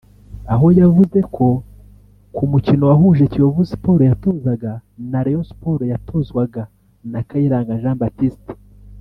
aho yavuze ko ku mukino wahuje Kiyovu Sport yatozaga na Rayon Sport yatozwaga na Kayiranga Jean Baptiste